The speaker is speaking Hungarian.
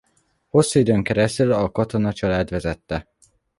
Hosszú időn keresztül a Katona család vezette.